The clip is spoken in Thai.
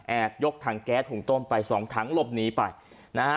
ยกถังแก๊สหุงต้มไปสองถังหลบหนีไปนะฮะ